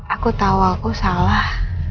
aku tau aku salah